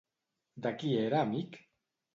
De qui era amic?